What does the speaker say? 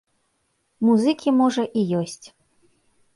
Музыкі, можа, і ёсць.